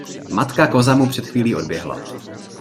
Matka koza mu před chvílí odběhla.